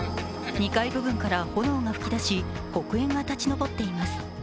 ２階部分から炎が噴き出し、黒煙が立ち上っています。